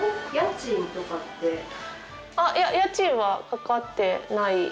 いや家賃はかかってないです。